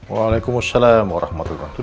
waalaikumsalam warahmatullahi wabarakatuh